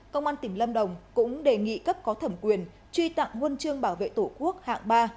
công an tỉnh lâm đồng cũng đề nghị cấp có thẩm quyền truy tặng nguồn trương bảo vệ tổ quốc hạng ba